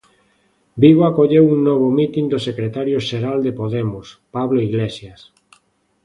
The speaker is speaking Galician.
Vigo acolleu un novo mitin do secretario xeral de Podemos, Pablo Iglesias.